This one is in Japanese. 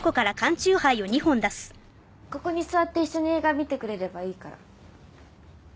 ここに座って一緒に映画見てくれればいいから。